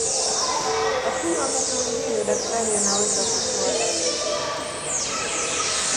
Lakini wakati mwingine daktari anaweza kutoa dawa nyinine